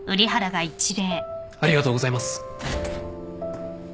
ありがとうございます。